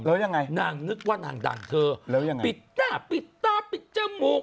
แล้วยังไงนางนึกว่านางดังเธอแล้วยังไงปิดหน้าปิดตาปิดจมูก